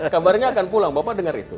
kabarnya akan pulang bapak dengar itu